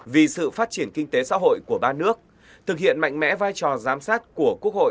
vì sự phát triển kinh tế xã hội của ba nước thực hiện mạnh mẽ vai trò giám sát của quốc hội